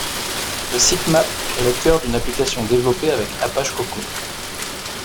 Le sitemap est le cœur d'une application développée avec Apache Cocoon.